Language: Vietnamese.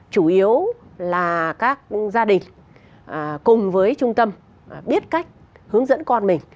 chủ yếu là các gia đình cùng với trung tâm biết cách hướng dẫn con mình